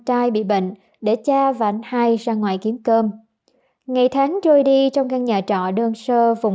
trai bị bệnh để cha và anh hai ra ngoài kiếm cơm ngày tháng trôi đi trong căn nhà trọ đơn sơ phùng